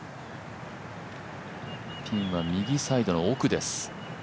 ピンは右サイドの奥です。